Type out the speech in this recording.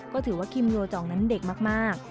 ก็ถือว่าคิมโยจองนั้นเด็กมาก